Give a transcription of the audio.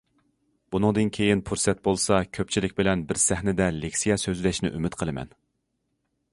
بۇنىڭدىن كېيىن پۇرسەت بولسا، كۆپچىلىك بىلەن بىر سەھنىدە لېكسىيە سۆزلەشنى ئۈمىد قىلىمەن.